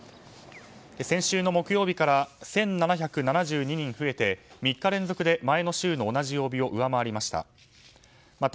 先週の木曜日から１７７２人増えて３日連続で前の週の同じ曜日を上回りました。